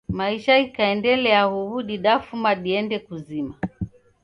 Maisha ghikaendelia huw'u didafuma dende kuzima.